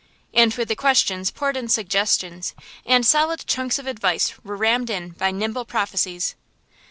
And with the questions poured in suggestions, and solid chunks of advice were rammed in by nimble prophecies.